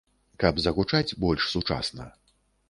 Каб загучаць больш сучасна.